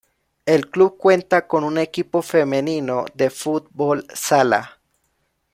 El club cuenta con un equipo femenino de Fútbol sala.